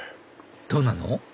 どうなの？